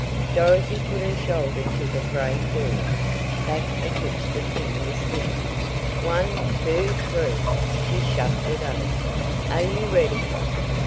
Dorothy put her shoulder to the frame door, back of which the thing was hidden. "One, two, three!" she shoved it over. "Are you ready?"